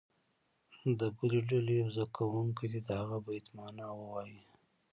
د بلې ډلې یو زده کوونکی دې د هغه بیت معنا ووایي.